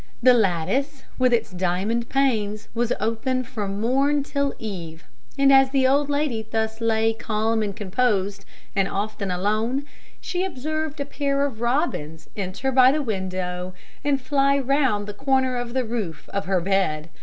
The lattice, with its diamond panes, was open from morn till eve; and as the old lady thus lay calm and composed, and often alone, she observed a pair of robins enter by the window and fly round the corner of the roof of her bed.